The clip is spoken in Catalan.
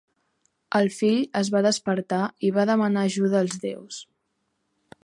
El fill es va despertar i va demanar ajuda als déus.